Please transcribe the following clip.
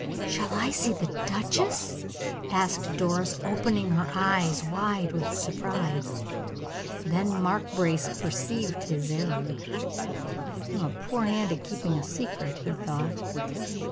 "Shall I see the duchess?" asked Doris, opening her eyes wide with surprise. Then Mark Brace perceived his error. "I am a poor hand at keeping a secret," he thought.